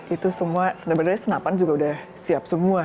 itu semua sebenarnya senapan juga udah siap semua